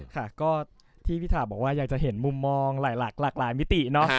ค่ะก็ที่พี่ถาบอกว่าอยากจะเห็นมุมมองหลายมิติเนอะ